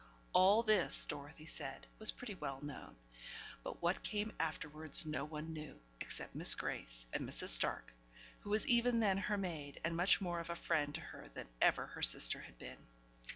All this, Dorothy said, was pretty well known; but what came afterwards no one knew, except Miss Grace and Mrs. Stark, who was even then her maid, and much more of a friend to her than ever her sister had been.